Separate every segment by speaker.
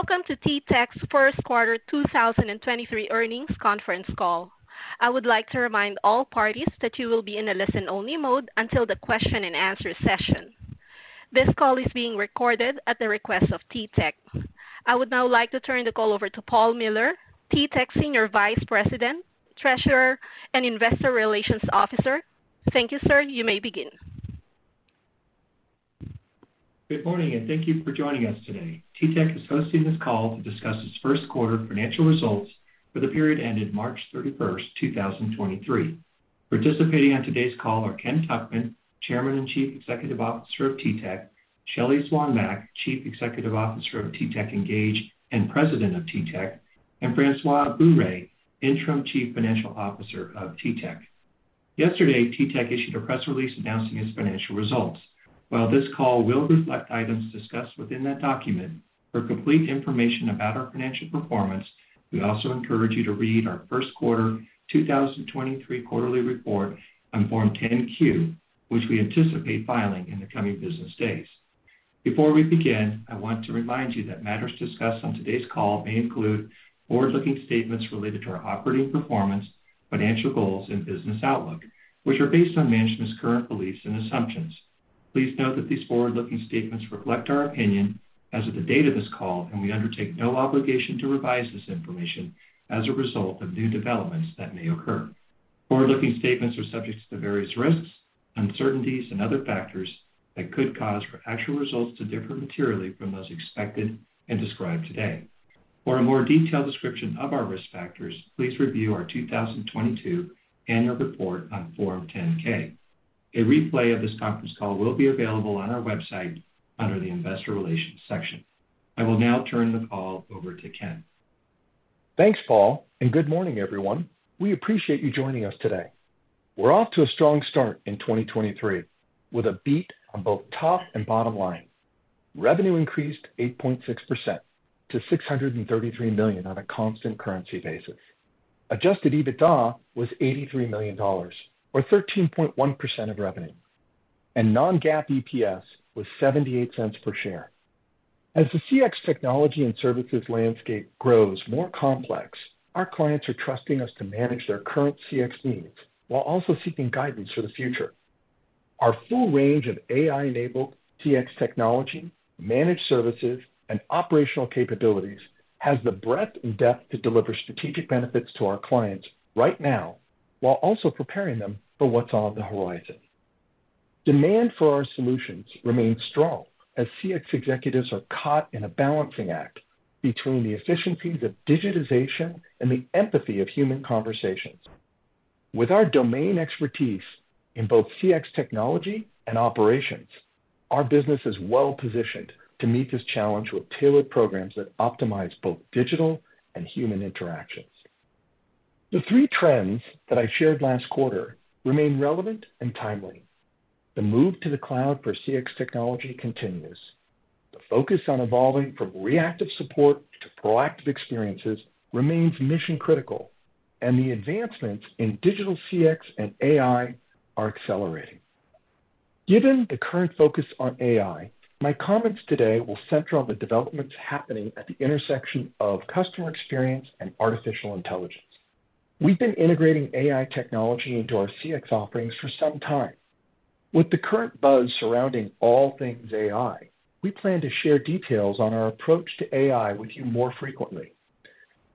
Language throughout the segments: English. Speaker 1: Welcome to TTEC's First Quarter 2023 Earnings Conference Call. I would like to remind all parties that you will be in a listen-only mode until the question-and-answer session. This call is being recorded at the request of TTEC. I would now like to turn the call over to Paul Miller, TTEC Senior Vice President, Treasurer and Investor Relations Officer. Thank you, sir. You may begin.
Speaker 2: Good morning. Thank you for joining us today. TTEC is hosting this call to discuss its first quarter financial results for the period ended March 31st, 2023. Participating on today's call are Ken Tuchman, Chairman and Chief Executive Officer of TTEC, Shelly Swanback, Chief Executive Officer of TTEC Engage and President of TTEC, and Francois Bourret, Interim Chief Financial Officer of TTEC. Yesterday, TTEC issued a press release announcing its financial results. While this call will reflect items discussed within that document, for complete information about our financial performance, we also encourage you to read our first quarter 2023 quarterly report on Form 10-Q, which we anticipate filing in the coming business days. Before we begin, I want to remind you that matters discussed on today's call may include forward-looking statements related to our operating performance, financial goals and business outlook, which are based on management's current beliefs and assumptions. Please note that these forward-looking statements reflect our opinion as of the date of this call, and we undertake no obligation to revise this information as a result of new developments that may occur. Forward-looking statements are subject to various risks, uncertainties and other factors that could cause for actual results to differ materially from those expected and described today. For a more detailed description of our risk factors, please review our 2022 annual report on Form 10-K. A replay of this conference call will be available on our website under the Investor Relations section. I will now turn the call over to Ken.
Speaker 3: Thanks, Paul, and good morning, everyone. We appreciate you joining us today. We're off to a strong start in 2023, with a beat on both top and bottom line. Revenue increased 8.6% to $633 million on a constant currency basis. Adjusted EBITDA was $83 million or 13.1% of revenue, and non-GAAP EPS was $0.78 per share. As the CX technology and services landscape grows more complex, our clients are trusting us to manage their current CX needs while also seeking guidance for the future. Our full range of AI-enabled CX technology, managed services, and operational capabilities has the breadth and depth to deliver strategic benefits to our clients right now, while also preparing them for what's on the horizon. Demand for our solutions remains strong as CX executives are caught in a balancing act between the efficiency of digitization and the empathy of human conversations. With our domain expertise in both CX technology and operations, our business is well positioned to meet this challenge with tailored programs that optimize both digital and human interactions. The three trends that I shared last quarter remain relevant and timely. The move to the cloud for CX technology continues. The focus on evolving from reactive support to proactive experiences remains mission critical, and the advancements in digital CX and AI are accelerating. Given the current focus on AI, my comments today will center on the developments happening at the intersection of customer experience and artificial intelligence. We've been integrating AI technology into our CX offerings for some time. With the current buzz surrounding all things AI, we plan to share details on our approach to AI with you more frequently.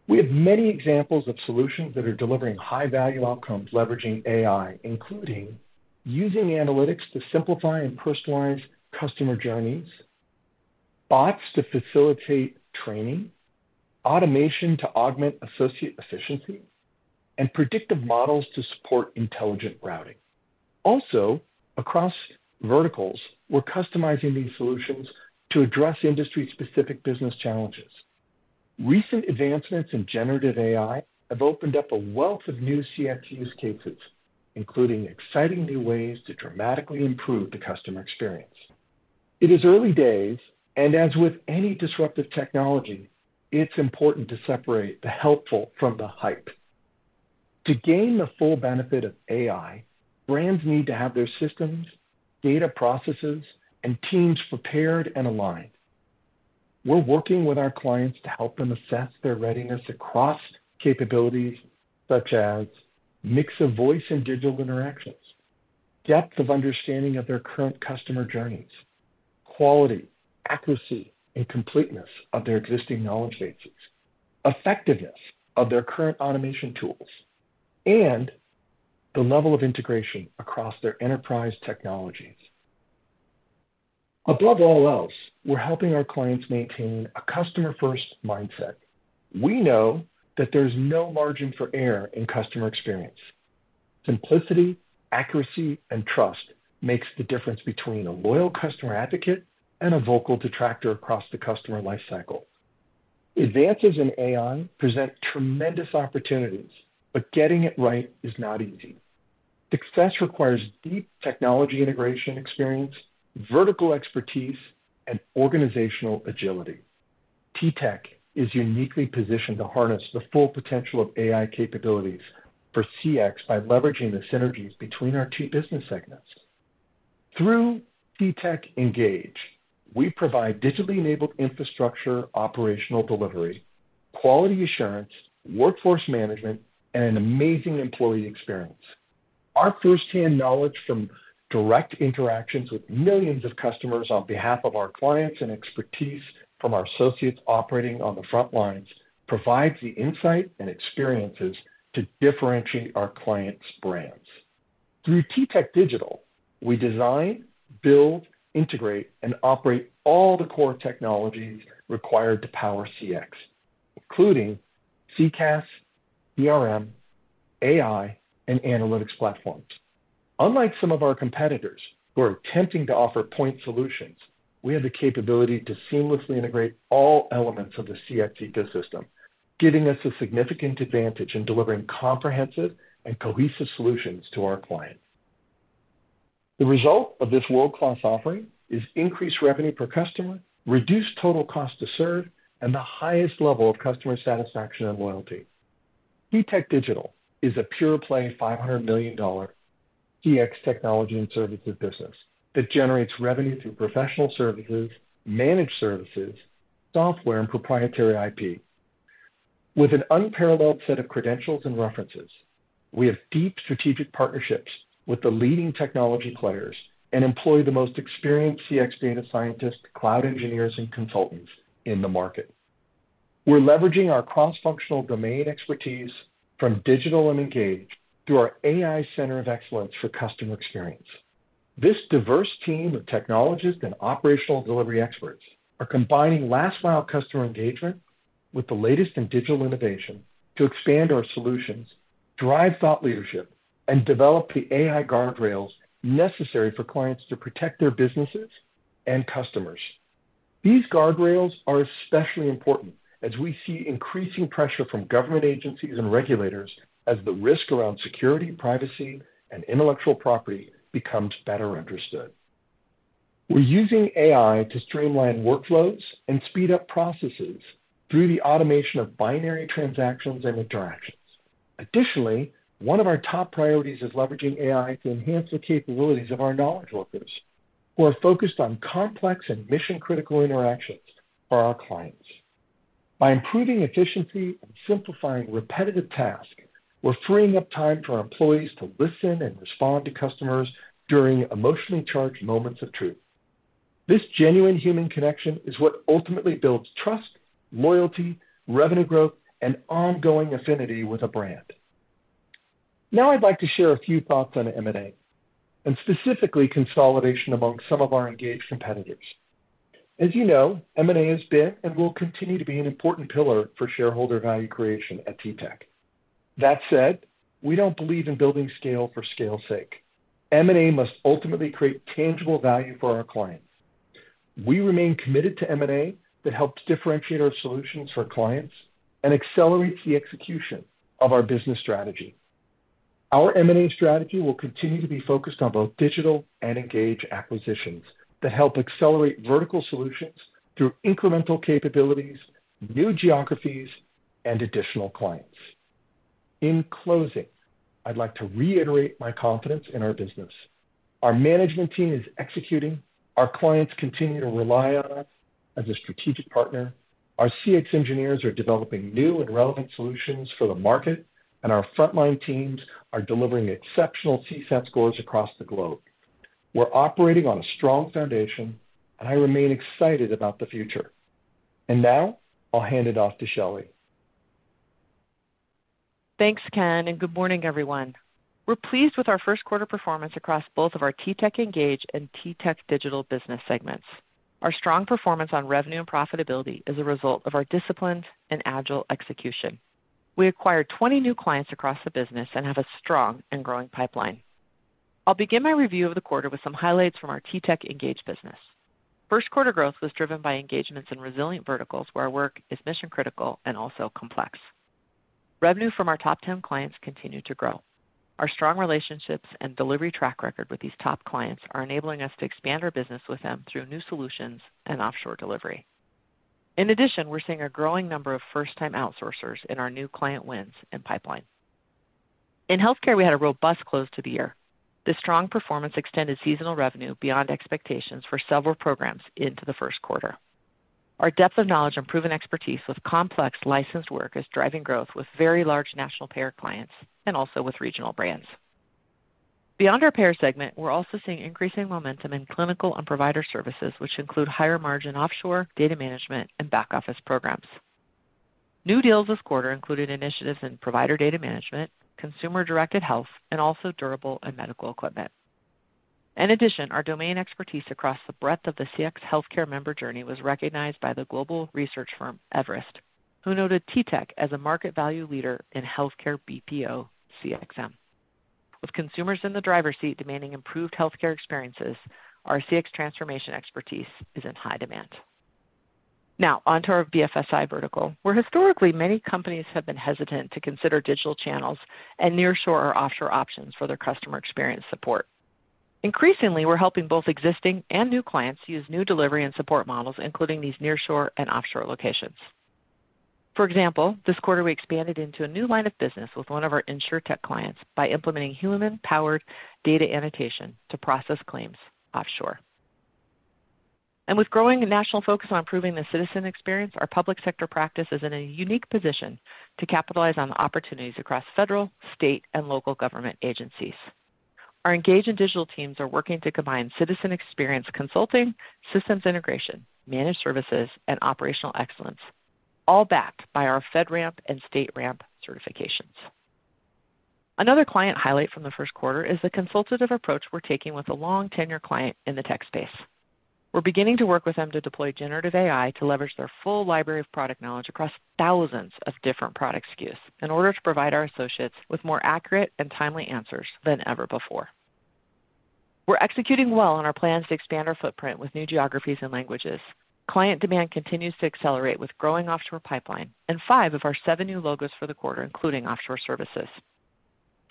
Speaker 3: We have many examples of solutions that are delivering high-value outcomes leveraging AI, including using analytics to simplify and personalize customer journeys, bots to facilitate training, automation to augment associate efficiency, and predictive models to support intelligent routing. Across verticals, we're customizing these solutions to address industry-specific business challenges. Recent advancements in generative AI have opened up a wealth of new CX use cases, including exciting new ways to dramatically improve the customer experience. It is early days, and as with any disruptive technology, it's important to separate the helpful from the hype. To gain the full benefit of AI, brands need to have their systems, data processes, and teams prepared and aligned. We're working with our clients to help them assess their readiness across capabilities such as mix of voice and digital interactions, depth of understanding of their current customer journeys, quality, accuracy, and completeness of their existing knowledge bases, effectiveness of their current automation tools, and the level of integration across their enterprise technologies. Above all else, we're helping our clients maintain a customer-first mindset. We know that there's no margin for error in customer experience. Simplicity, accuracy, and trust makes the difference between a loyal customer advocate and a vocal detractor across the customer lifecycle. Advances in AI present tremendous opportunities, but getting it right is not easy. Success requires deep technology integration experience, vertical expertise, and organizational agility. TTEC is uniquely positioned to harness the full potential of AI capabilities for CX by leveraging the synergies between our two business segments. Through TTEC Engage, we provide digitally enabled infrastructure, operational delivery, quality assurance, workforce management, and an amazing employee experience. Our firsthand knowledge from direct interactions with millions of customers on behalf of our clients, and expertise from our associates operating on the front lines provides the insight and experiences to differentiate our clients' brands. Through TTEC Digital, we design, build, integrate, and operate all the core technologies required to power CX, including CCaaS, CRM, AI, and analytics platforms. Unlike some of our competitors who are attempting to offer point solutions, we have the capability to seamlessly integrate all elements of the CX ecosystem, giving us a significant advantage in delivering comprehensive and cohesive solutions to our clients. The result of this world-class offering is increased revenue per customer, reduced total cost to serve, and the highest level of customer satisfaction and loyalty. TTEC Digital is a pure-play $500 million CX technology and services business that generates revenue through professional services, managed services, software, and proprietary IP. With an unparalleled set of credentials and references, we have deep strategic partnerships with the leading technology players and employ the most experienced CX data scientists, cloud engineers, and consultants in the market. We're leveraging our cross-functional domain expertise from digital and engage through our AI Center of Excellence for customer experience. This diverse team of technologists and operational delivery experts are combining last mile customer engagement with the latest in digital innovation to expand our solutions, drive thought leadership, and develop the AI guardrails necessary for clients to protect their businesses and customers. These guardrails are especially important as we see increasing pressure from government agencies and regulators as the risk around security, privacy, and intellectual property becomes better understood. We're using AI to streamline workflows and speed up processes through the automation of binary transactions and interactions. Additionally, one of our top priorities is leveraging AI to enhance the capabilities of our knowledge workers who are focused on complex and mission-critical interactions for our clients. By improving efficiency and simplifying repetitive tasks, we're freeing up time for our employees to listen and respond to customers during emotionally charged moments of truth. This genuine human connection is what ultimately builds trust, loyalty, revenue growth, and ongoing affinity with a brand. Now I'd like to share a few thoughts on M&A, and specifically consolidation among some of our engaged competitors. As you know, M&A has been and will continue to be an important pillar for shareholder value creation at TTEC. That said, we don't believe in building scale for scale's sake. M&A must ultimately create tangible value for our clients. We remain committed to M&A that helps differentiate our solutions for clients and accelerates the execution of our business strategy. Our M&A strategy will continue to be focused on both digital and engage acquisitions that help accelerate vertical solutions through incremental capabilities, new geographies, and additional clients. In closing, I'd like to reiterate my confidence in our business. Our management team is executing, our clients continue to rely on us as a strategic partner, our CX engineers are developing new and relevant solutions for the market, and our frontline teams are delivering exceptional CSAT scores across the globe. We're operating on a strong foundation, and I remain excited about the future. Now I'll hand it off to Shelly.
Speaker 4: Thanks, Ken. Good morning, everyone. We're pleased with our first quarter performance across both of our TTEC Engage and TTEC Digital business segments. Our strong performance on revenue and profitability is a result of our disciplined and agile execution. We acquired 20 new clients across the business and have a strong and growing pipeline. I'll begin my review of the quarter with some highlights from our TTEC Engage business. First quarter growth was driven by engagements in resilient verticals where our work is mission-critical and also complex. Revenue from our top 10 clients continued to grow. Our strong relationships and delivery track record with these top clients are enabling us to expand our business with them through new solutions and offshore delivery. In addition, we're seeing a growing number of first-time outsourcers in our new client wins and pipelines. In healthcare, we had a robust close to the year. This strong performance extended seasonal revenue beyond expectations for several programs into the first quarter. Our depth of knowledge and proven expertise with complex licensed work is driving growth with very large national payer clients and also with regional brands. Beyond our payer segment, we're also seeing increasing momentum in clinical and provider services, which include higher margin offshore, data management, and back-office programs. New deals this quarter included initiatives in provider data management, consumer-directed health, and also durable and medical equipment. In addition, our domain expertise across the breadth of the CX healthcare member journey was recognized by the global research firm Everest, who noted TTEC as a market value leader in healthcare BPO CXM. With consumers in the driver's seat demanding improved healthcare experiences, our CX transformation expertise is in high demand. Now onto our BFSI vertical, where historically many companies have been hesitant to consider digital channels and nearshore or offshore options for their customer experience support. Increasingly, we're helping both existing and new clients use new delivery and support models, including these nearshore and offshore locations. For example, this quarter we expanded into a new line of business with one of our InsurTech clients by implementing human-powered data annotation to process claims offshore. With growing national focus on improving the citizen experience, our public sector practice is in a unique position to capitalize on the opportunities across federal, state, and local government agencies. Our Engage and Digital teams are working to combine citizen experience consulting, systems integration, managed services, and operational excellence, all backed by our FedRAMP and StateRAMP certifications. Another client highlight from the first quarter is the consultative approach we're taking with a long tenure client in the tech space. We're beginning to work with them to deploy generative AI to leverage their full library of product knowledge across thousands of different product SKUs in order to provide our associates with more accurate and timely answers than ever before. We're executing well on our plans to expand our footprint with new geographies and languages. Client demand continues to accelerate with growing offshore pipeline and five of our seven new logos for the quarter, including offshore services.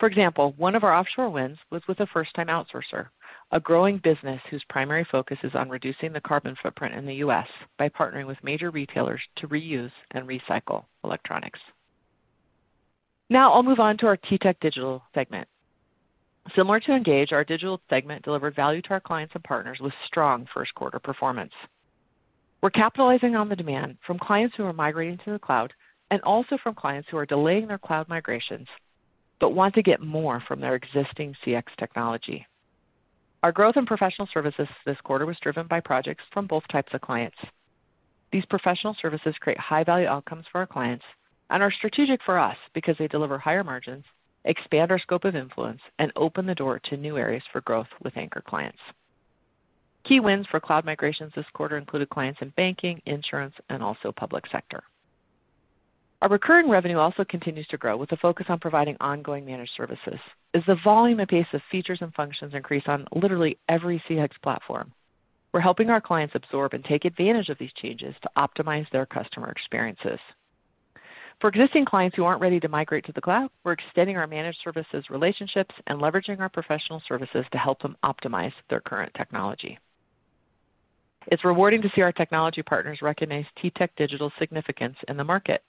Speaker 4: For example, one of our offshore wins was with a first-time outsourcer, a growing business whose primary focus is on reducing the carbon footprint in the U.S. by partnering with major retailers to reuse and recycle electronics. I'll move on to our TTEC Digital segment. Similar to Engage, our Digital segment delivered value to our clients and partners with strong first quarter performance. We're capitalizing on the demand from clients who are migrating to the cloud and also from clients who are delaying their cloud migrations, but want to get more from their existing CX technology. Our growth in professional services this quarter was driven by projects from both types of clients. These professional services create high-value outcomes for our clients and are strategic for us because they deliver higher margins, expand our scope of influence, and open the door to new areas for growth with anchor clients. Key wins for cloud migrations this quarter included clients in banking, insurance, and also public sector. Our recurring revenue also continues to grow with a focus on providing ongoing managed services. As the volume and pace of features and functions increase on literally every CX platform, we're helping our clients absorb and take advantage of these changes to optimize their customer experiences. For existing clients who aren't ready to migrate to the cloud, we're extending our managed services relationships and leveraging our professional services to help them optimize their current technology. It's rewarding to see our technology partners recognize TTEC Digital's significance in the market.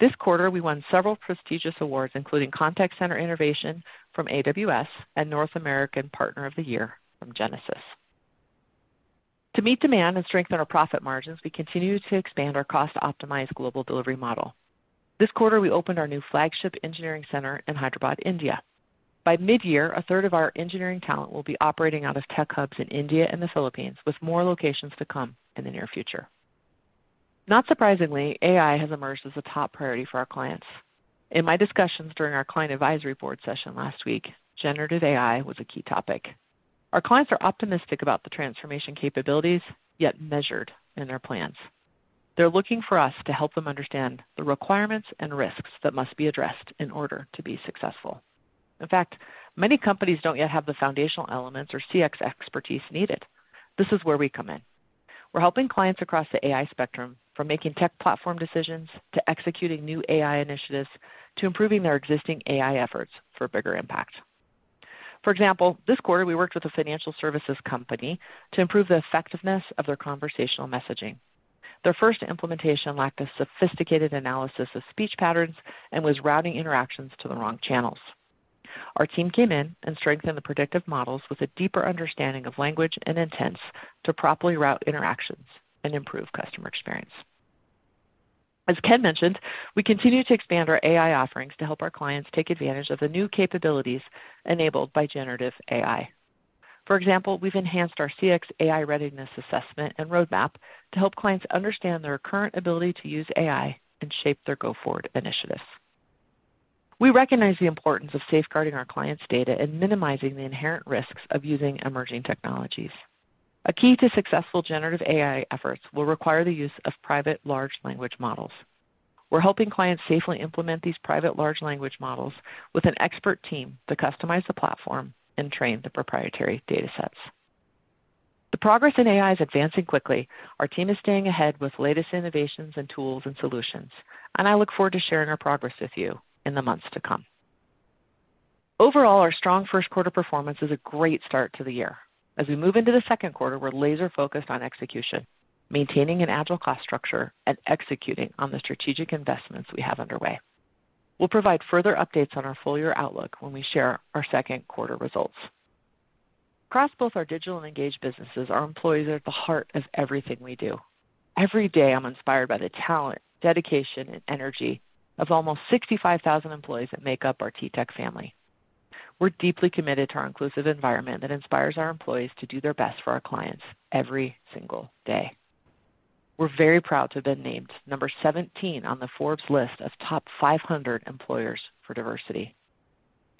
Speaker 4: This quarter, we won several prestigious awards, including Contact Center Innovation from AWS and North American Partner of the Year from Genesys. To meet demand and strengthen our profit margins, we continue to expand our cost-optimized global delivery model. This quarter, we opened our new flagship engineering center in Hyderabad, India. By mid-year, a third of our engineering talent will be operating out of tech hubs in India and the Philippines, with more locations to come in the near future. Not surprisingly, AI has emerged as a top priority for our clients. In my discussions during our client advisory board session last week, generative AI was a key topic. Our clients are optimistic about the transformation capabilities, yet measured in their plans. They're looking for us to help them understand the requirements and risks that must be addressed in order to be successful. In fact, many companies don't yet have the foundational elements or CX expertise needed. This is where we come in. We're helping clients across the AI spectrum, from making tech platform decisions to executing new AI initiatives to improving their existing AI efforts for bigger impact. For example, this quarter we worked with a financial services company to improve the effectiveness of their conversational messaging. Their first implementation lacked a sophisticated analysis of speech patterns and was routing interactions to the wrong channels. Our team came in and strengthened the predictive models with a deeper understanding of language and intents to properly route interactions and improve customer experience. As Ken mentioned, we continue to expand our AI offerings to help our clients take advantage of the new capabilities enabled by generative AI. For example, we've enhanced our CX AI readiness assessment and roadmap to help clients understand their current ability to use AI and shape their go-forward initiatives. We recognize the importance of safeguarding our clients' data and minimizing the inherent risks of using emerging technologies. A key to successful generative AI efforts will require the use of private large language models. We're helping clients safely implement these private large language models with an expert team to customize the platform and train the proprietary datasets. The progress in AI is advancing quickly. Our team is staying ahead with latest innovations in tools and solutions, and I look forward to sharing our progress with you in the months to come. Overall, our strong first quarter performance is a great start to the year. As we move into the second quarter, we're laser focused on execution, maintaining an agile cost structure, and executing on the strategic investments we have underway. We'll provide further updates on our full year outlook when we share our second quarter results. Across both our Digital and Engage businesses, our employees are at the heart of everything we do. Every day, I'm inspired by the talent, dedication, and energy of almost 65,000 employees that make up our TTEC family. We're deeply committed to our inclusive environment that inspires our employees to do their best for our clients every single day. We're very proud to have been named number 17 on the Forbes list of top 500 Employers for Diversity.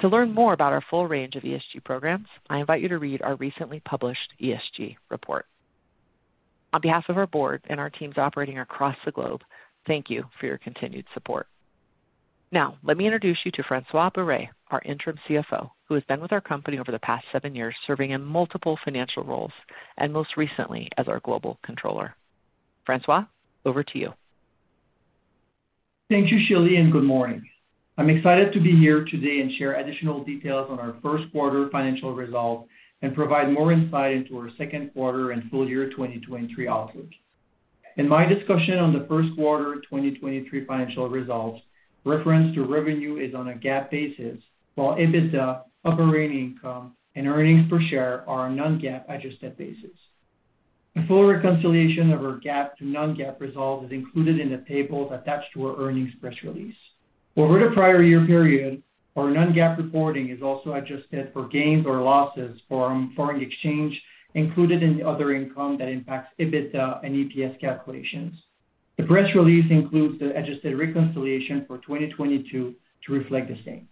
Speaker 4: To learn more about our full range of ESG programs, I invite you to read our recently published ESG report. On behalf of our board and our teams operating across the globe, thank you for your continued support. Now, let me introduce you to Francois Bourret, our Interim CFO, who has been with our company over the past seven years, serving in multiple financial roles, and most recently as our global controller. Francois, over to you.
Speaker 5: Thank you, Shelly, and good morning. I'm excited to be here today and share additional details on our first quarter financial results and provide more insight into our second quarter and full year 2023 outlook. In my discussion on the first quarter 2023 financial results, reference to revenue is on a GAAP basis, while EBITDA, operating income, and earnings per share are a non-GAAP adjusted basis. A full reconciliation of our GAAP to non-GAAP results is included in the tables attached to our earnings press release. Over the prior year period, our non-GAAP reporting is also adjusted for gains or losses from foreign exchange included in the other income that impacts EBITDA and EPS calculations. The press release includes the adjusted reconciliation for 2022 to reflect the same.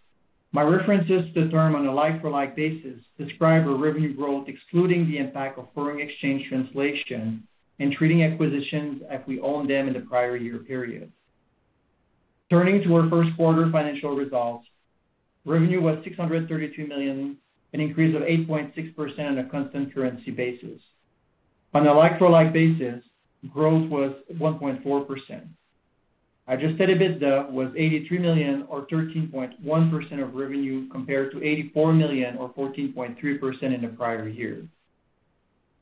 Speaker 5: My references to the term on a like-for-like basis describe a revenue growth excluding the impact of foreign exchange translation and treating acquisitions as we own them in the prior year period. Turning to our first quarter financial results, revenue was $632 million, an increase of 8.6% on a constant currency basis. On a like-for-like basis, growth was 1.4%. Adjusted EBITDA was $83 million or 13.1% of revenue compared to $84 million or 14.3% in the prior year.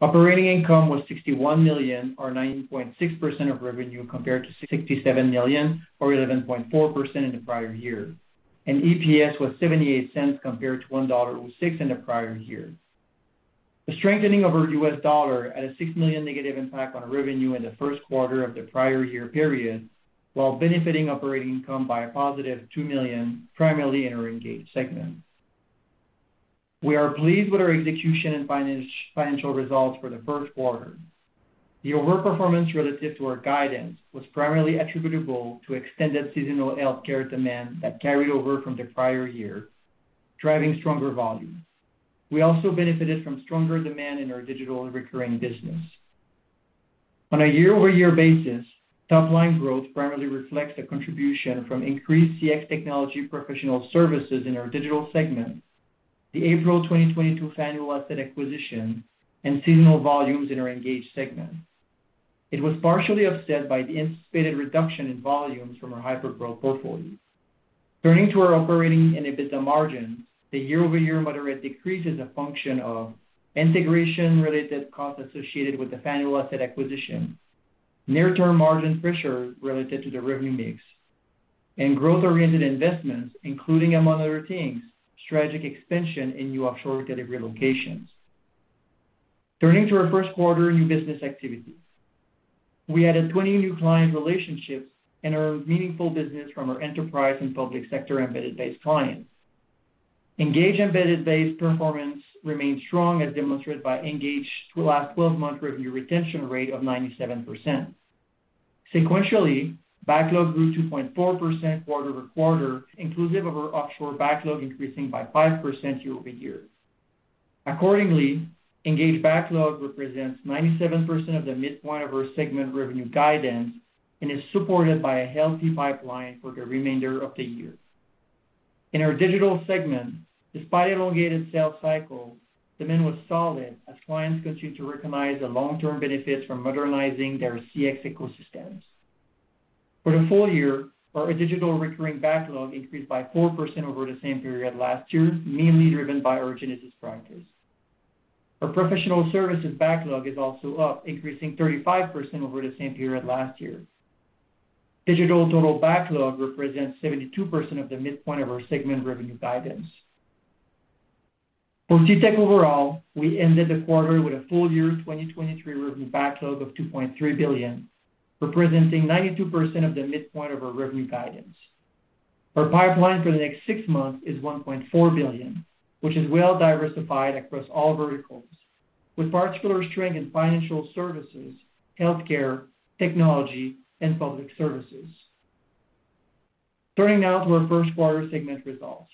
Speaker 5: Operating income was $61 million or 9.6% of revenue compared to $67 million or 11.4% in the prior year, and EPS was $0.78 compared to $1.06 in the prior year. The strengthening of our U.S. dollar at a $6 million negative impact on revenue in the first quarter of the prior year period, while benefiting operating income by a positive $2 million primarily in our Engage segment. We are pleased with our execution and financial results for the first quarter. The overperformance relative to our guidance was primarily attributable to extended seasonal healthcare demand that carried over from the prior year, driving stronger volumes. We also benefited from stronger demand in our Digital and recurring business. On a year-over-year basis, top line growth primarily reflects the contribution from increased CX technology professional services in our Digital segments, the April 2022 Faneuil asset acquisition, and seasonal volumes in our Engage segments. It was partially offset by the anticipated reduction in volumes from our hypergrowth portfolio. Turning to our operating and EBITDA margins, the year-over-year moderate decrease is a function of integration related costs associated with the Faneuil asset acquisition, near-term margin pressure related to the revenue mix, and growth-oriented investments, including among other things, strategic expansion in new offshore delivery locations. Turning to our first quarter new business activities. We added 20 new client relationships and are meaningful business from our enterprise and public sector embedded base clients. Engage embedded base performance remains strong as demonstrated by Engage through last 12-month revenue retention rate of 97%. Sequentially, backlog grew 2.4% quarter-over-quarter inclusive of our offshore backlog increasing by 5% year-over-year. Accordingly, Engage backlog represents 97% of the midpoint of our segment revenue guidance and is supported by a healthy pipeline for the remainder of the year. In our Digital segment, despite elongated sales cycle, demand was solid as clients continue to recognize the long-term benefits from modernizing their CX ecosystems. For the full year, our digital recurring backlog increased by 4% over the same period last year, mainly driven by our Genesys practice. Our professional services backlog is also up, increasing 35% over the same period last year. Digital total backlog represents 72% of the midpoint of our segment revenue guidance. For TTEC overall, we ended the quarter with a full year 2023 revenue backlog of $2.3 billion, representing 92% of the midpoint of our revenue guidance. Our pipeline for the next six months is $1.4 billion, which is well diversified across all verticals, with particular strength in financial services, healthcare, technology, and public services. Turning now to our first quarter segment results.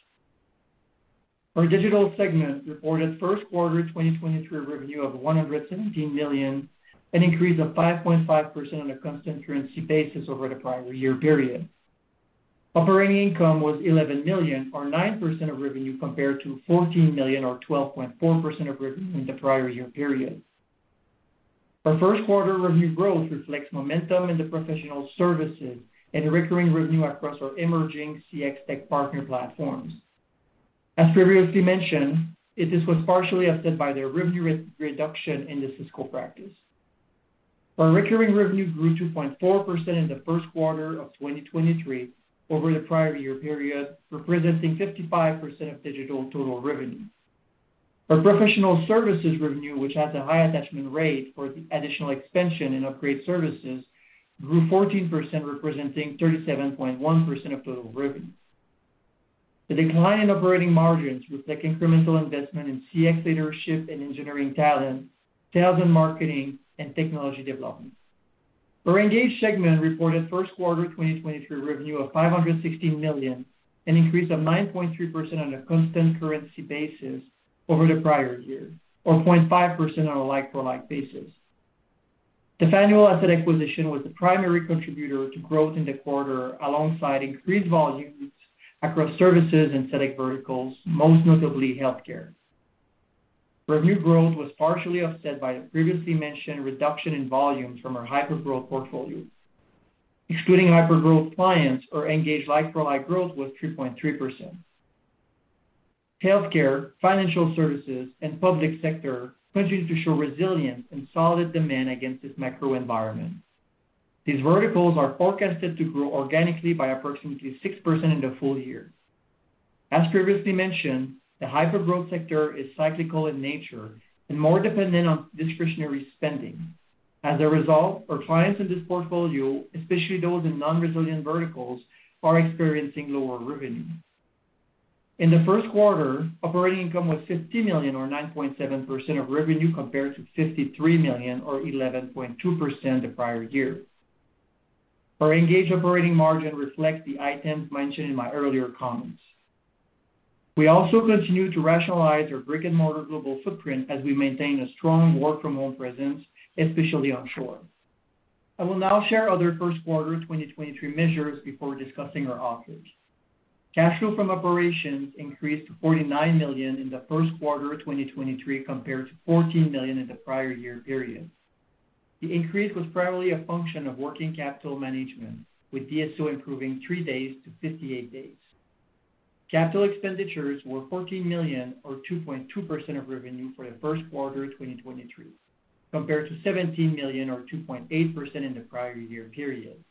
Speaker 5: Our digital segment reported first quarter 2023 revenue of $117 million, an increase of 5.5% on a constant currency basis over the prior year period. Operating income was $11 million or 9% of revenue compared to $14 million or 12.4% of revenue in the prior year period. Our first quarter revenue growth reflects momentum in the professional services and recurring revenue across our emerging CX tech partner platforms. As previously mentioned, this was partially offset by the revenue re-reduction in the Cisco practice. Our recurring revenue grew 2.4% in the first quarter of 2023 over the prior year period, representing 55% of digital total revenues. Our professional services revenue, which has a high attachment rate for additional expansion and upgrade services, grew 14%, representing 37.1% of total revenues. The decline in operating margins reflect incremental investment in CX leadership and engineering talent, sales and marketing, and technology development. Our Engage segment reported first quarter 2023 revenue of $516 million, an increase of 9.3% on a constant currency basis over the prior year, or 0.5% on a like-for-like basis. The Faneuil asset acquisition was the primary contributor to growth in the quarter alongside increased volumes across services and static verticals, most notably healthcare. Revenue growth was partially offset by the previously mentioned reduction in volumes from our hypergrowth portfolio. Excluding hypergrowth clients, our Engage like-for-like growth was 3.3%. Healthcare, financial services, and public sector continued to show resilience and solid demand against this macro environment. These verticals are forecasted to grow organically by approximately 6% in the full year. Result, our clients in this portfolio, especially those in non-resilient verticals, are experiencing lower revenues. In the first quarter, operating income was $50 million or 9.7% of revenue compared to $53 million or 11.2% the prior year. Our Engage operating margin reflects the items mentioned in my earlier comments. We also continue to rationalize our brick-and-mortar global footprint as we maintain a strong work-from-home presence, especially onshore. I will now share other first quarter 2023 measures before discussing our outlooks. Cash flow from operations increased to $49 million in the first quarter of 2023 compared to $14 million in the prior year period. The increase was primarily a function of working capital management, with DSO improving three days to 58 days. Capital expenditures were $14 million or 2.2% of revenue for the first quarter of 2023, compared to $17 million or 2.8% in the prior year period.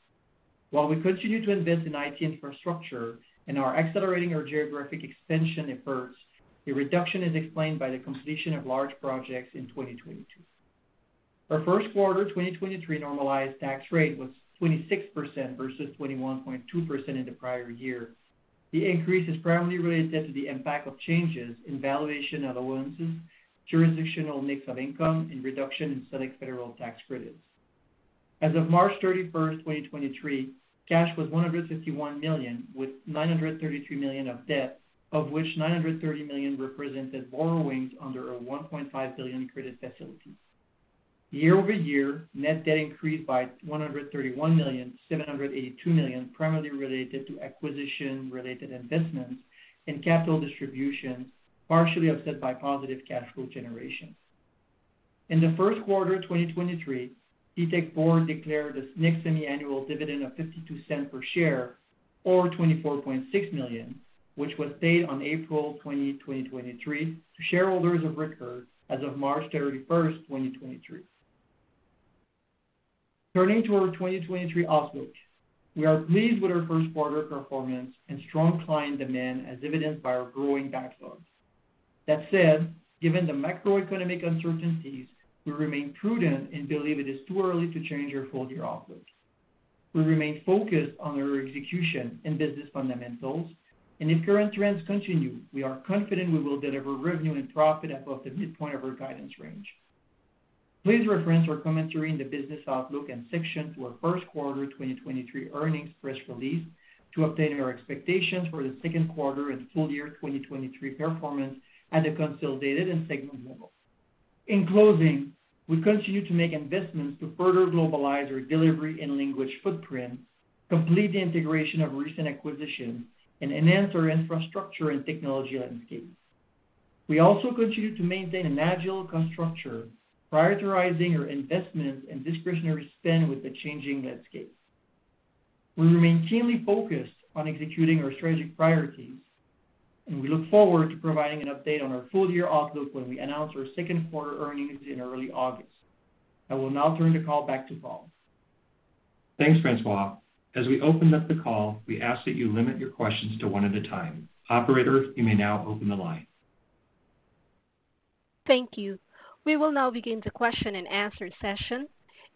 Speaker 5: While we continue to invest in IT infrastructure and are accelerating our geographic expansion efforts, the reduction is explained by the completion of large projects in 2022. Our first quarter 2023 normalized tax rate was 26% versus 21.2% in the prior year. The increase is primarily related to the impact of changes in valuation allowances, jurisdictional mix of income, and reduction in select federal tax credits. As of March 31st, 2023, cash was $151 million, with $933 million of debt, of which $930 million represented borrowings under our $1.5 billion credit facilities. Year-over-year, net debt increased by $131 million, $782 million, primarily related to acquisition-related investments and capital distributions, partially offset by positive cash flow generation. In the first quarter of 2023, TTEC board declared its next semi-annual dividend of $0.52 per share or $24.6 million, which was paid on April 20, 2023 to shareholders of record as of March 31st, 2023. Turning to our 2023 outlook. We are pleased with our first quarter performance and strong client demand as evidenced by our growing backlogs. That said, given the macroeconomic uncertainties, we remain prudent and believe it is too early to change our full-year outlook. We remain focused on our execution and business fundamentals, and if current trends continue, we are confident we will deliver revenue and profit above the midpoint of our guidance range. Please reference our commentary in the business outlook and section to our first quarter 2023 earnings press release to obtain our expectations for the second quarter and full year 2023 performance at a consolidated and segment level. In closing, we continue to make investments to further globalize our delivery and language footprint, complete the integration of recent acquisitions, and enhance our infrastructure and technology landscapes. We also continue to maintain an agile cost structure, prioritizing our investments and discretionary spend with the changing landscapes. We remain keenly focused on executing our strategic priorities, we look forward to providing an update on our full-year outlook when we announce our second quarter earnings in early August. I will now turn the call back to Paul.
Speaker 3: Thanks, Francois. As we open up the call, we ask that you limit your questions to one at a time. Operator, you may now open the line.
Speaker 1: Thank you. We will now begin the question-and-answer session.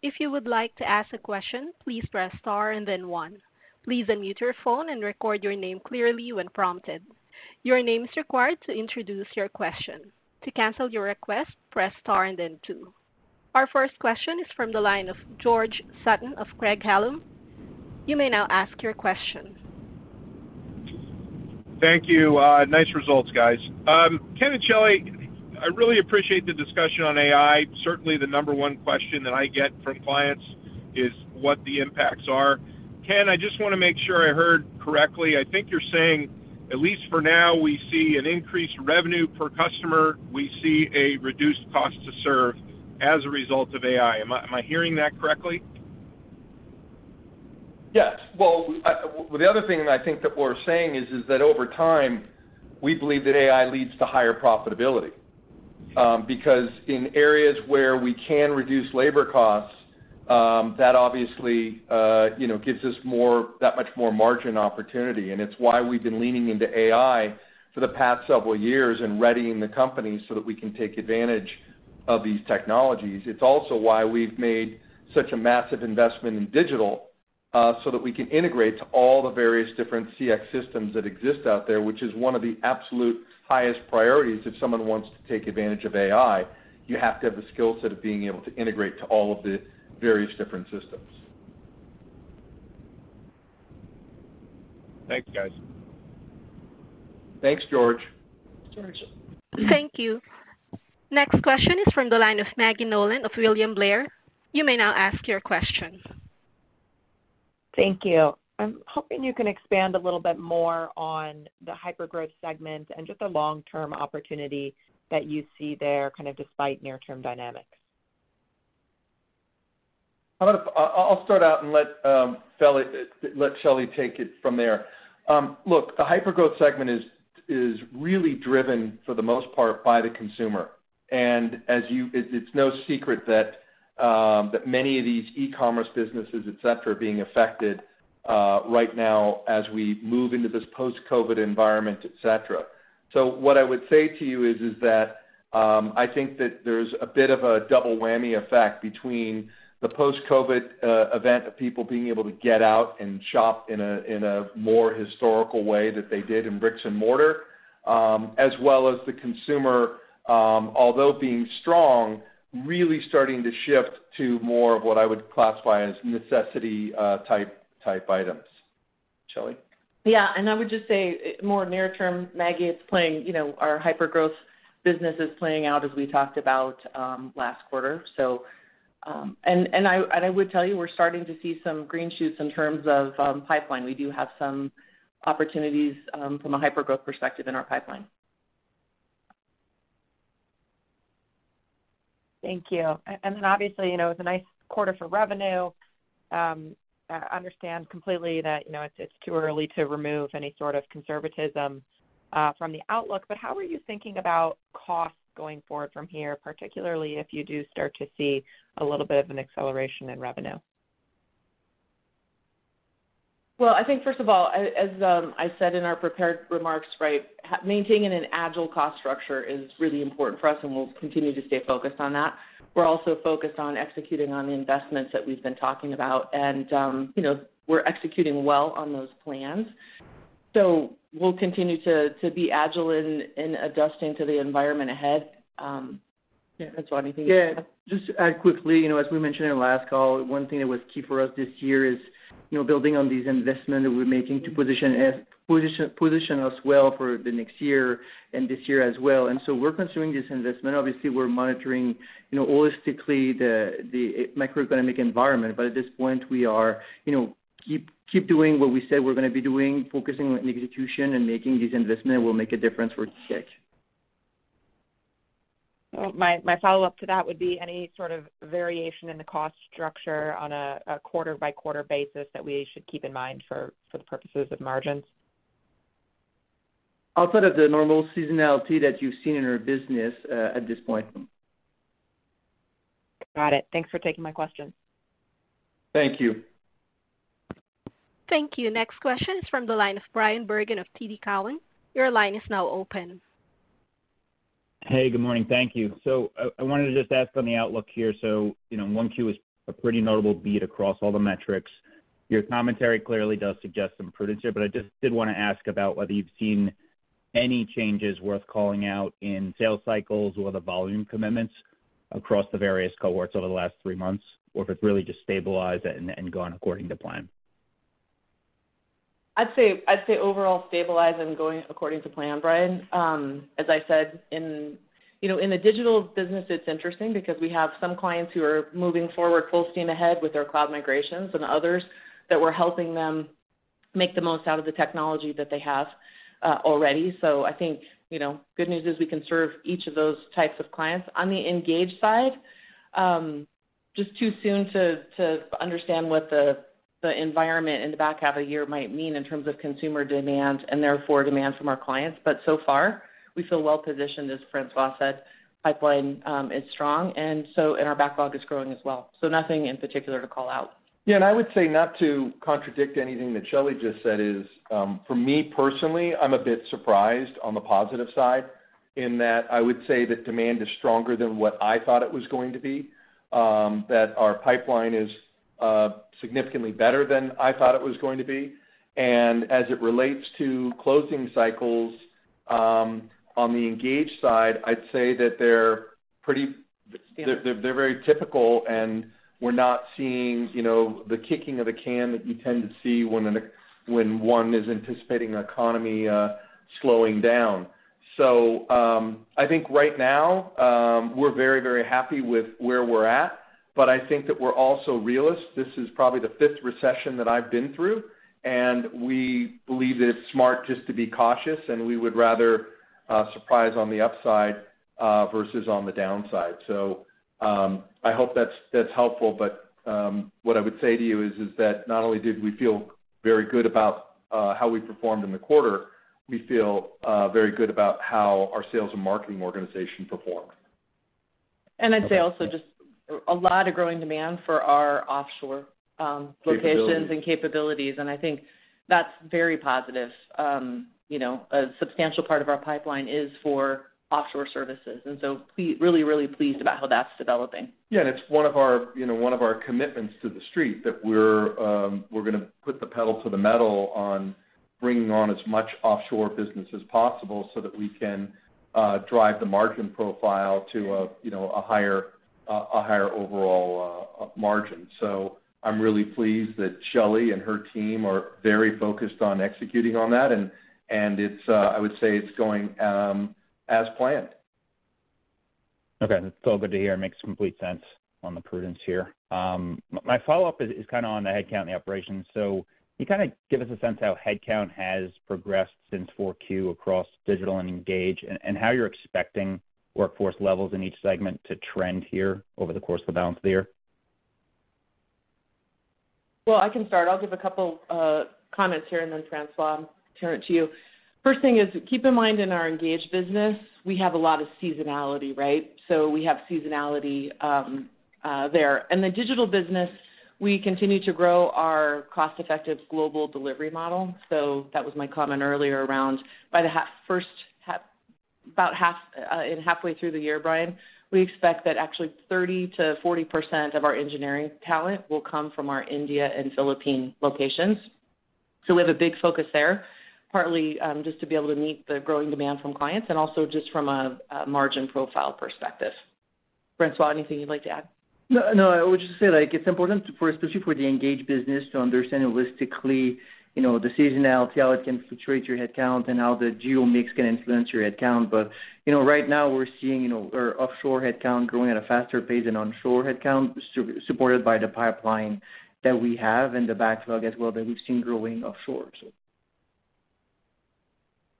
Speaker 1: If you would like to ask a question, please press star and then one. Please unmute your phone and record your name clearly when prompted. Your name is required to introduce your question. To cancel your request, press star and then two. Our first question is from the line of George Sutton of Craig-Hallum. You may now ask your question.
Speaker 6: Thank you. Nice results, guys. Ken and Shelly, I really appreciate the discussion on AI. Certainly, the number one question that I get from clients is what the impacts are. Ken, I just wanna make sure I heard correctly. I think you're saying, at least for now, we see an increased revenue per customer, we see a reduced cost to serve as a result of AI. Am I hearing that correctly?
Speaker 3: Yes. Well, the other thing that I think that we're saying is that over time, we believe that AI leads to higher profitability. Because in areas where we can reduce labor costs, that obviously, you know, gives us that much more margin opportunity. It's why we've been leaning into AI for the past several years and readying the company so that we can take advantage of these technologies. It's also why we've made such a massive investment in digital, so that we can integrate to all the various different CX systems that exist out there, which is one of the absolute highest priorities if someone wants to take advantage of AI, you have to have the skill set of being able to integrate to all of the various different systems.
Speaker 6: Thank you, guys.
Speaker 3: Thanks, George.
Speaker 4: George.
Speaker 1: Thank you. Next question is from the line of Maggie Nolan of William Blair. You may now ask your question.
Speaker 7: Thank you. I'm hoping you can expand a little bit more on the hypergrowth segment and just the long-term opportunity that you see there, kind of despite near-term dynamics.
Speaker 3: How about if I'll start out and let Shelly take it from there. Look, the hypergrowth segment is really driven for the most part by the consumer. As you it's no secret that many of these e-commerce businesses, et cetera, are being affected right now as we move into this post-COVID environment, et cetera. What I would say to you is that I think that there's a bit of a double whammy effect between the post-COVID event of people being able to get out and shop in a more historical way that they did in bricks and mortar, as well as the consumer, although being strong, really starting to shift to more of what I would classify as necessity type items. Shelly.
Speaker 4: Yeah. I would just say more near term, Maggie, it's playing, you know, our hypergrowth business is playing out as we talked about last quarter. I would tell you, we're starting to see some green shoots in terms of pipeline. We do have some opportunities from a hypergrowth perspective in our pipeline.
Speaker 7: Thank you. Then obviously, you know, it was a nice quarter for revenue. I understand completely that, you know, it's too early to remove any sort of conservatism from the outlook. How are you thinking about costs going forward from here, particularly if you do start to see a little bit of an acceleration in revenue?
Speaker 4: Well, I think first of all, as I said in our prepared remarks, right, maintaining an agile cost structure is really important for us, and we'll continue to stay focused on that. We're also focused on executing on the investments that we've been talking about and, you know, we're executing well on those plans. We'll continue to be agile in adjusting to the environment ahead. Yeah, Francois, anything to add?
Speaker 5: Yeah. Just add quickly, you know, as we mentioned in our last call, one thing that was key for us this year is, you know, building on these investment that we're making to position us well for the next year and this year as well. We're continuing this investment. Obviously, we're monitoring, you know, holistically the macroeconomic environment. At this point, we are, you know, keep doing what we said we're gonna be doing, focusing on execution and making these investment will make a difference for [SHG].
Speaker 7: My follow-up to that would be any sort of variation in the cost structure on a quarter-by-quarter basis that we should keep in mind for the purposes of margins.
Speaker 5: Outside of the normal seasonality that you've seen in our business, at this point.
Speaker 7: Got it. Thanks for taking my question.
Speaker 3: Thank you.
Speaker 1: Thank you. Next question is from the line of Bryan Bergin of TD Cowen. Your line is now open.
Speaker 8: Hey, good morning. Thank you. I wanted to just ask on the outlook here. You know, in 1Q is a pretty notable beat across all the metrics. Your commentary clearly does suggest some prudence here, but I just did want to ask about whether you've seen any changes worth calling out in sales cycles or the volume commitments across the various cohorts over the last three months, or if it's really just stabilized and gone according to plan.
Speaker 4: I'd say overall stabilized and going according to plan, Bryan uhm. As I said, in, you know, in the digital business, it's interesting because we have some clients who are moving forward full steam ahead with their cloud migrations and others that we're helping them make the most out of the technology that they have already. I think, you know, good news is we can serve each of those types of clients. On the Engage side, just too soon to understand what the environment in the back half of the year might mean in terms of consumer demand and therefore demand from our clients. So far, we feel well positioned, as Francois said. Pipeline is strong and our backlog is growing as well. Nothing in particular to call out.
Speaker 3: I would say, not to contradict anything that Shelly just said, is, for me personally, I'm a bit surprised on the positive side in that I would say that demand is stronger than what I thought it was going to be, that our pipeline is significantly better than I thought it was going to be. As it relates to closing cycles, on the Engage side, I'd say that they're very typical, and we're not seeing, you know, the kicking of the can that you tend to see when one is anticipating an economy slowing down. I think right now, we're very, very happy with where we're at, but I think that we're also realists. This is probably the fifth recession that I've been through. We believe that it's smart just to be cautious. We would rather surprise on the upside versus on the downside. I hope that's helpful. What I would say to you is that not only did we feel very good about how we performed in the quarter, we feel very good about how our sales and marketing organization performed.
Speaker 4: I'd say also just a lot of growing demand for our offshore locations.
Speaker 3: Capabilities
Speaker 4: And capabilities, and I think that's very positive. You know, a substantial part of our pipeline is for offshore services. We're really pleased about how that's developing.
Speaker 3: Yeah. It's one of our, you know, one of our commitments to the street that we're gonna put the pedal to the metal on bringing on as much offshore business as possible so that we can drive the margin profile to a, you know, a higher, a higher overall, margin. I'm really pleased that Shelly and her team are very focused on executing on that. It's I would say it's going as planned.
Speaker 8: Okay. That's still good to hear. It makes complete sense on the prudence here. My follow-up is kind of on the headcount and the operations. Can you kinda give us a sense how headcount has progressed since 4Q across Digital and Engage, and how you're expecting workforce levels in each segment to trend here over the course of the balance of the year?
Speaker 4: Well, I can start. I'll give a couple comments here and then, Francois, I'll turn it to you. First thing is, keep in mind in our Engage business, we have a lot of seasonality, right? We have seasonality there. In the Digital business, we continue to grow our cost-effective global delivery model. That was my comment earlier around about half in halfway through the year, Bryan, we expect that actually 30%-40% of our engineering talent will come from our India and Philippine locations. We have a big focus there, partly just to be able to meet the growing demand from clients and also just from a margin profile perspective. Francois, anything you'd like to add?
Speaker 5: No, no. I would just say, like, it's important for, especially for the Engage business to understand holistically, you know, the seasonality, how it can fluctuate your headcount, and how the geo mix can influence your headcount. You know, right now we're seeing, you know, our offshore headcount growing at a faster pace than onshore headcount supported by the pipeline that we have and the backlog as well that we've seen growing offshore.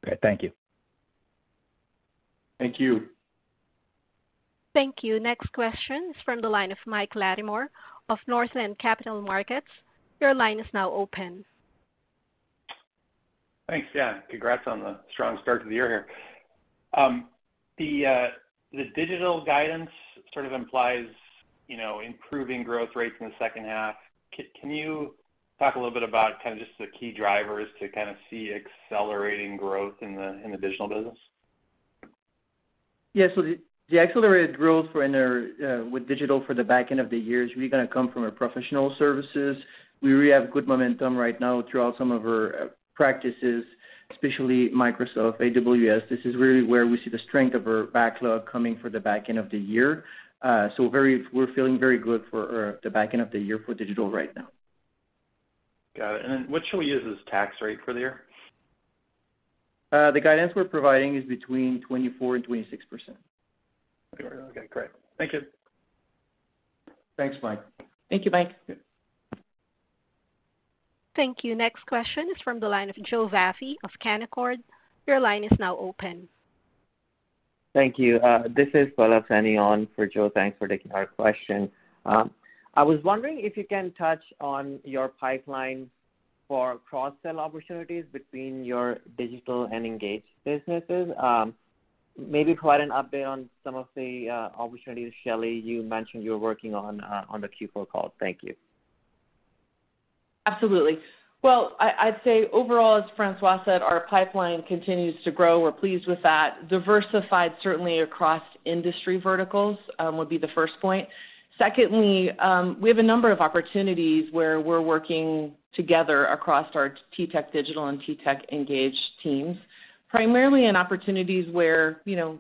Speaker 8: Okay. Thank you.
Speaker 3: Thank you.
Speaker 1: Thank you. Next question is from the line of Mike Latimore of Northland Capital Markets. Your line is now open.
Speaker 9: Thanks. Yeah. Congrats on the strong start to the year here. The Digital guidance sort of implies, you know, improving growth rates in the second half. Can you talk a little bit about kind of just the key drivers to kind of see accelerating growth in the Digital business?
Speaker 5: The accelerated growth for in our with Digital for the back end of the year is really gonna come from our professional services. We really have good momentum right now throughout some of our practices, especially Microsoft, AWS. This is really where we see the strength of our backlog coming for the back end of the year. We're feeling very good for the back end of the year for Digital right now.
Speaker 9: Got it. What should we use as tax rate for the year?
Speaker 5: The guidance we're providing is between 24% and 26%.
Speaker 9: Okay. Okay, great. Thank you.
Speaker 5: Thanks, Mike.
Speaker 4: Thank you, Mike.
Speaker 5: Yeah.
Speaker 1: Thank you. Next question is from the line of Joe Vafi of Canaccord. Your line is now open.
Speaker 10: Thank you. This is Bala Sani on for Joseph Vafi. Thanks for taking our question. I was wondering if you can touch on your pipeline for cross-sell opportunities between your Digital and Engage businesses. maybe provide an update on some of the opportunities, Shelly, you mentioned you were working on on the Q4 call. Thank you.
Speaker 4: Absolutely. Well, I'd say overall, as Francois said, our pipeline continues to grow. We're pleased with that. Diversified certainly across industry verticals, would be the first point. Secondly, we have a number of opportunities where we're working together across our TTEC Digital and TTEC Engage teams, primarily in opportunities where, you know,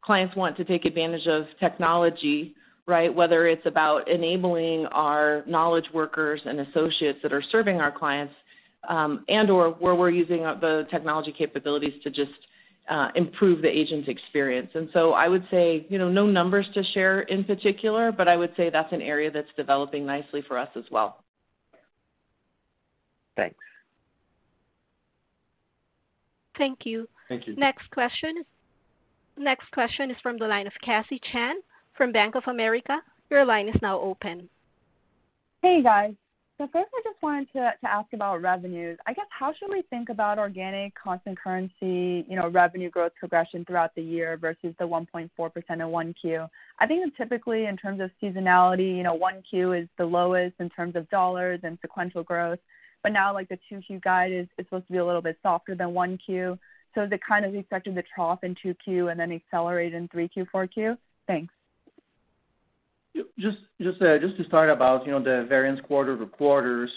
Speaker 4: clients want to take advantage of technology, right? Whether it's about enabling our knowledge workers and associates that are serving our clients, and/or where we're using the technology capabilities to just improve the agent's experience. So I would say, you know, no numbers to share in particular, but I would say that's an area that's developing nicely for us as well.
Speaker 10: Thanks.
Speaker 1: Thank you.
Speaker 5: Thank you.
Speaker 1: Next question is from the line of Cassie Chan from Bank of America. Your line is now open.
Speaker 11: Hey, guys. First, I just wanted to ask about revenues. I guess how should we think about organic constant currency, you know, revenue growth progression throughout the year versus the 1.4% in 1Q? I think typically in terms of seasonality, you know, 1Q is the lowest in terms of dollars and sequential growth. Now like the 2Q guide is supposed to be a little bit softer than 1Q. Is it kind of expecting to trough in 2Q and then accelerate in 3Q, 4Q? Thanks.
Speaker 5: Just to start about, you know, the variance quarter to quarter.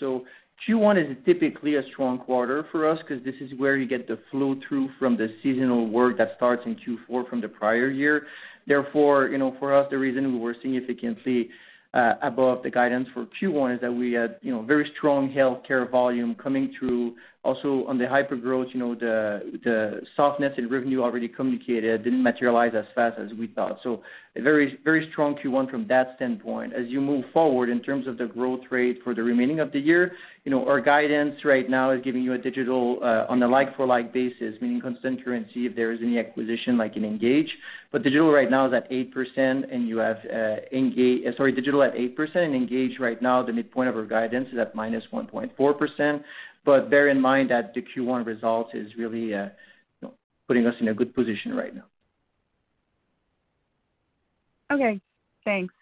Speaker 5: Q1 is typically a strong quarter for us 'cause this is where you get the flow-through from the seasonal work that starts in Q4 from the prior year. Therefore, you know, for us, the reason we were significantly above the guidance for Q1 is that we had, you know, very strong healthcare volume coming through. Also on the hypergrowth, you know, the softness in revenue already communicated didn't materialize as fast as we thought. A very, very strong Q1 from that standpoint. As you move forward in terms of the growth rate for the remaining of the year, you know, our guidance right now is giving you a digital on a like for like basis, meaning constant currency if there is any acquisition like in Engage. Digital at 8% and Engage right now, the midpoint of our guidance is at -1.4%. bear in mind that the Q1 result is really, you know, putting us in a good position right now.
Speaker 11: Okay, thanks.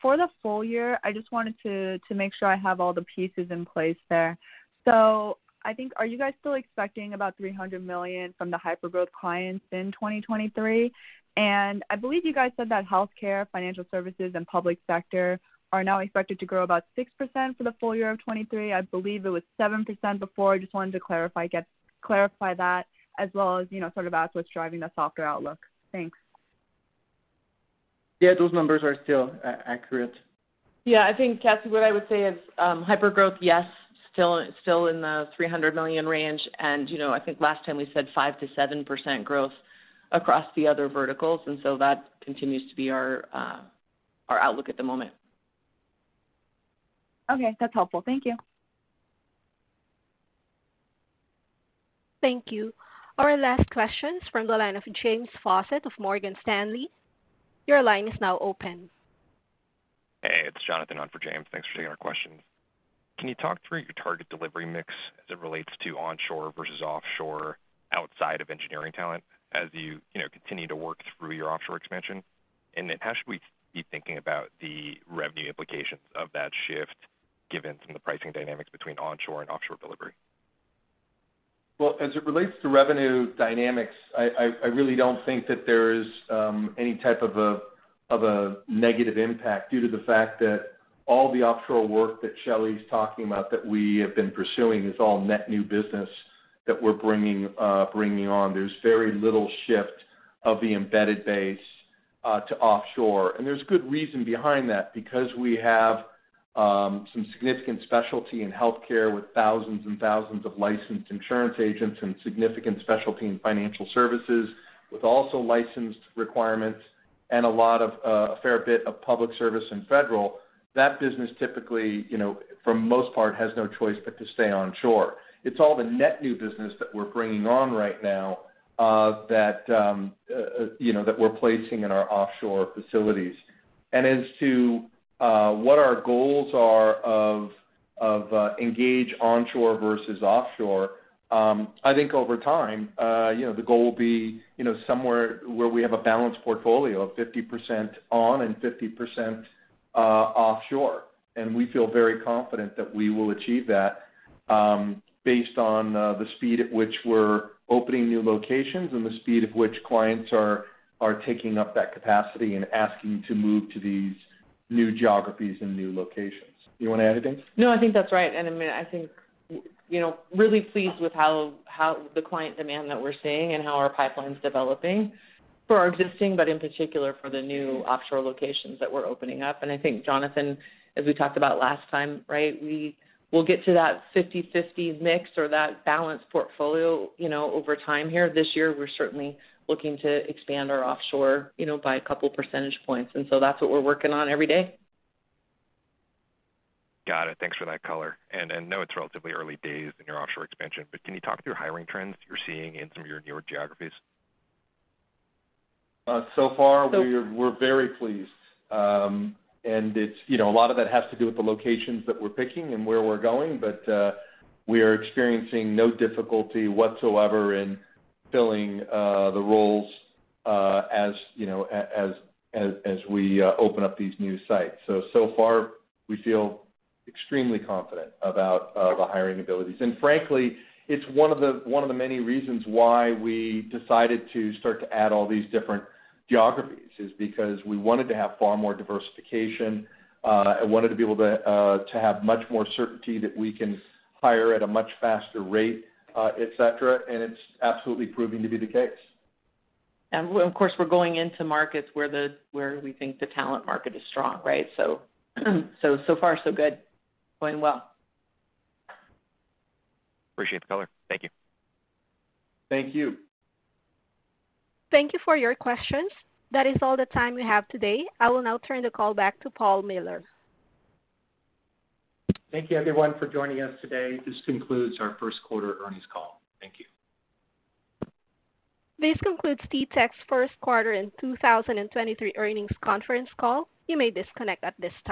Speaker 11: For the full year, I just wanted to make sure I have all the pieces in place there. Are you guys still expecting about $300 million from the hypergrowth clients in 2023? You guys said that healthcare, financial services, and public sector are now expected to grow about 6% for the full year of 2023. I believe it was 7% before. I just wanted to clarify that as well as, you know, sort of ask what's driving the softer outlook. Thanks.
Speaker 5: Yeah. Those numbers are still accurate.
Speaker 4: Yeah, I think, Cassie, what I would say is, hypergrowth, yes, still in the $300 million range. You know, I think last time we said 5%-7% growth across the other verticals, that continues to be our outlook at the moment.
Speaker 11: Okay. That's helpful. Thank you.
Speaker 1: Thank you. Our last question's from the line of James Faucette of Morgan Stanley. Your line is now open.
Speaker 12: Hey, it's Jonathan on for James. Thanks for taking our questions. Can you talk through your target delivery mix as it relates to onshore versus offshore outside of engineering talent as you know, continue to work through your offshore expansion? How should we be thinking about the revenue implications of that shift, given some of the pricing dynamics between onshore and offshore delivery?
Speaker 3: As it relates to revenue dynamics, I really don't think that there is any type of a negative impact due to the fact that all the offshore work that Shelly's talking about that we have been pursuing is all net new business that we're bringing on. There's very little shift of the embedded base to offshore, and there's good reason behind that because we have some significant specialty in healthcare with thousands and thousands of licensed insurance agents and significant specialty in financial services with also licensed requirements and a lot of a fair bit of public service and federal. That business typically, you know, for most part, has no choice but to stay onshore. It's all the net new business that we're bringing on right now, you know, that we're placing in our offshore facilities. As to what our goals are of engage onshore versus offshore, I think over time, you know, the goal will be, you know, somewhere where we have a balanced portfolio, 50% on and 50% offshore. We feel very confident that we will achieve that, based on the speed at which we're opening new locations and the speed at which clients are taking up that capacity and asking to move to these new geographies and new locations. You wanna add anything?
Speaker 4: No, I think that's right. I mean, I think, you know, really pleased with how the client demand that we're seeing and how our pipeline's developing for our existing, but in particular, for the new offshore locations that we're opening up. I think, Jonathan, as we talked about last time, right? We will get to that 50/50 mix or that balanced portfolio, you know, over time here. This year, we're certainly looking to expand our offshore, you know, by a couple percentage points, that's what we're working on every day.
Speaker 12: Got it. Thanks for that color. Know it's relatively early days in your offshore expansion, but can you talk through hiring trends you're seeing in some of your newer geographies?
Speaker 3: So far, we're very pleased. And it's, you know, a lot of that has to do with the locations that we're picking and where we're going, but we are experiencing no difficulty whatsoever in filling the roles as we open up these new sites. So far we feel extremely confident about the hiring abilities. Frankly, it's one of the many reasons why we decided to start to add all these different geographies, is because we wanted to have far more diversification, and wanted to be able to have much more certainty that we can hire at a much faster rate, et cetera, and it's absolutely proving to be the case.
Speaker 4: We're, of course, going into markets where we think the talent market is strong, right? So far, so good. Going well.
Speaker 12: Appreciate the color. Thank you.
Speaker 3: Thank you.
Speaker 1: Thank you for your questions. That is all the time we have today. I will now turn the call back to Paul Miller.
Speaker 2: Thank you, everyone, for joining us today. This concludes our first quarter earnings call. Thank you.
Speaker 1: This concludes TTEC's first quarter in 2023 earnings conference call. You may disconnect at this time.